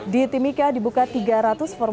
di timika dibuka tiga ratus formulari